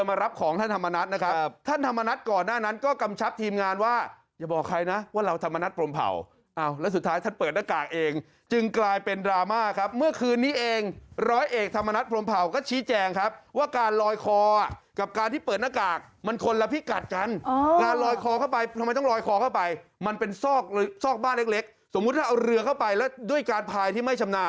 มีงานว่าอย่าบอกใครนะว่าเราธรรมนัฏพรมเผ่าแล้วสุดท้ายท่านเปิดหน้ากากเองจึงกลายเป็นดราม่าครับเมื่อคืนนี้เองร้อยเอกธรรมนัฏพรมเผ่าก็ชี้แจงครับว่าการลอยคอกับการที่เปิดหน้ากากมันคนละพี่กัดกันการลอยคอเข้าไปทำไมต้องลอยคอเข้าไปมันเป็นซอกซอกบ้านเล็กสมมุติเอาเรือเข้าไปแล้วด้วยการพายที่ไม่ชำนา